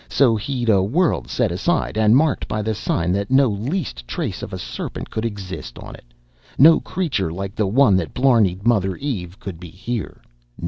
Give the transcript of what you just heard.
So he'd a world set aside, and marked by the sign that no least trace of a serpent could exist on it. No creature like the one that blarneyed Mother Eve could be here!